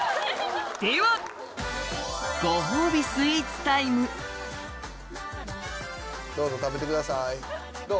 ではタイムどうぞ食べてくださいどう？